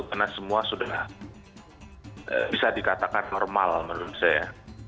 karena semua sudah bisa dikatakan normal menurut saya